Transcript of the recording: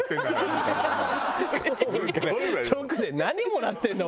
直で何もらってるんだ？